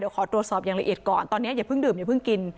ขอตรวจสอบอย่างละเอียดก่อนตอนนี้อย่าเพิ่งดื่มอย่าเพิ่งกิน